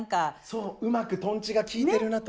そう「うまくとんちが利いてるな」とか。